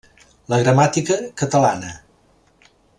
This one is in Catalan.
La gramàtica catalana.